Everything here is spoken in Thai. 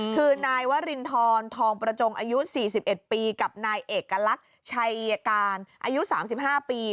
คือนายวรินทรทองประจงอายุ๔๑ปีกับนายเอกลักษณ์ชัยการอายุ๓๕ปี